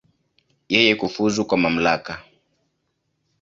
Yeye kufuzu kwa mamlaka.